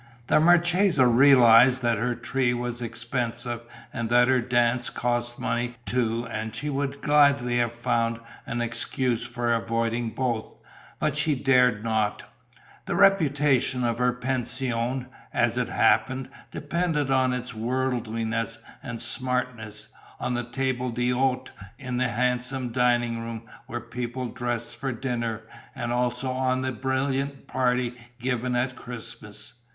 The marchesa realized that her tree was expensive and that her dance cost money too and she would gladly have found an excuse for avoiding both, but she dared not: the reputation of her pension, as it happened, depended on its worldliness and smartness, on the table d'hôte in the handsome dining room, where people dressed for dinner, and also on the brilliant party given at Christmas.